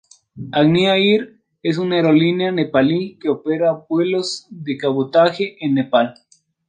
Agni Air es una aerolínea nepalí que opera vuelos de cabotaje en Nepal.